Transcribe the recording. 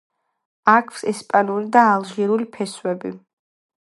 აქვს ესპანური და ალჟირული ფესვები.